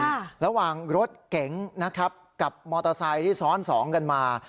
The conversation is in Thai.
ค่ะระหว่างรถเก๋งนะครับกับมอเตอร์ไซค์ที่ซ้อนสองกันมา